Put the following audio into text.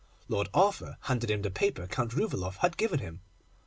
Lord Arthur handed him the paper Count Rouvaloff had given him.